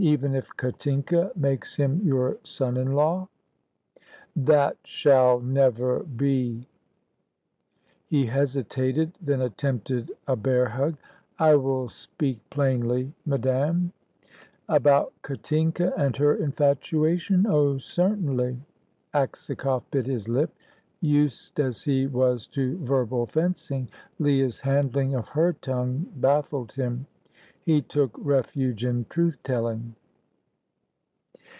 "Even if Katinka makes him your son in law?" "That shall never be!" He hesitated, then attempted a bear hug. "I will speak plainly, madame " "About Katinka and her infatuation? Oh, certainly." Aksakoff bit his lip. Used as he was to verbal fencing, Leah's handling of her tongue baffled him. He took refuge in truth telling.